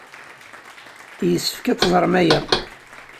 Yessefk ad teẓrem aya.